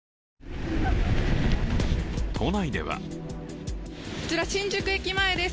都内ではこちら、新宿駅前です。